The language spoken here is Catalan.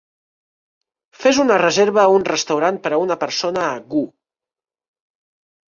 Fes una reserva a un restaurant per a una persona a GU